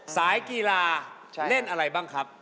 สายกีฬาเล่นอะไรบ้างครับ